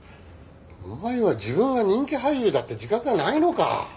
お前は自分が人気俳優だって自覚がないのか？